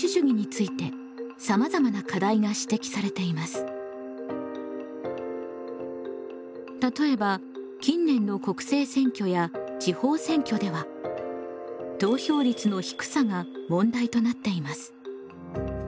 しかし例えば近年の国政選挙や地方選挙では投票率の低さが問題となっています。